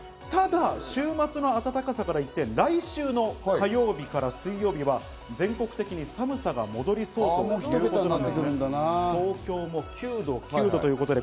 ただ週末の暖かさから一転、来週の火曜日から水曜日は全国的に寒さが戻りそうということです。